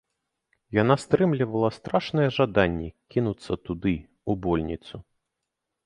Яна стрымлівала страшнае жаданне кінуцца туды, у больніцу.